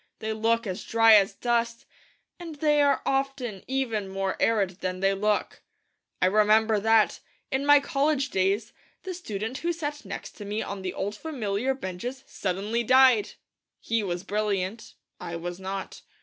They look as dry as dust, and they are often even more arid than they look. I remember that, in my college days, the student who sat next to me on the old familiar benches suddenly died. He was brilliant; I was not.